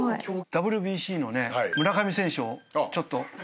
ＷＢＣのね村上選手をちょっと。